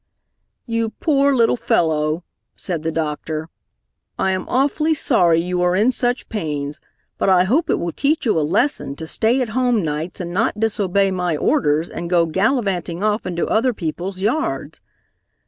"You poor little fellow," said the doctor, "I am awfully sorry you are in such pain, but I hope it will teach you a lesson to stay at home nights and not disobey my orders and go gallivanting off into other people's yards.